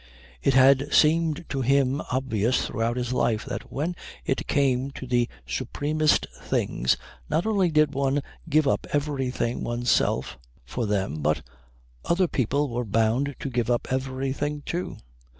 It had seemed to him obvious throughout his life that when it came to the supremest things not only did one give up everything oneself for them but other people were bound to give up everything, too.